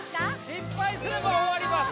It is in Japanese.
失敗すれば終わります